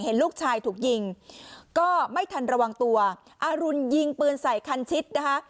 เห็นลูกชายถูกยิงก็ไม่ทันระวังตัวอรุณยิงปืนใส่คันชิดนะคะ